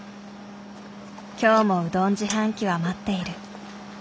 今日もうどん自販機は待っている。